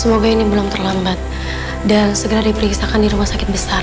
semoga ini belum terlambat dan segera diperiksakan di rumah sakit besar